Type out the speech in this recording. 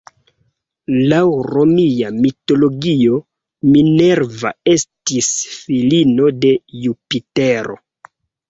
Laŭ romia mitologio, Minerva estis filino de Jupitero.